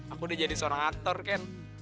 aku udah jadi seorang aktor kem